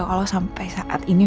kalau sampai saat ini